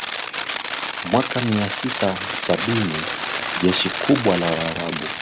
Mwaka Mia sita sabini jeshi kubwa la Waarabu